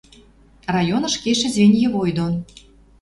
Районыш кешӹ звеньевой дон